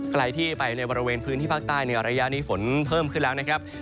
ใครที่ไปในบริเวณพื้นที่ภาคใต้ในระยะนี้ฝนเพิ่มขึ้นแล้วนะครับ